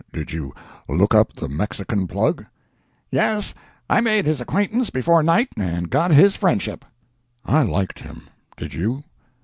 Did you look up the Mexican Plug?" "Yes, I made his acquaintance before night and got his friendship." "I liked him. Did you?"